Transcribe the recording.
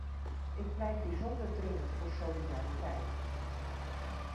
Ik pleit bijzonder dringend voor solidariteit.